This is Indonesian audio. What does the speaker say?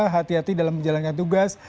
hati hati dalam menjalankan tugas